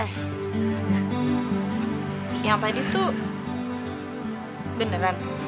yang tadi tuh beneran